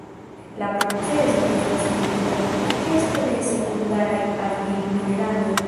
La procezo estas ligita kun ekesto de sekundaraj argil-mineraloj.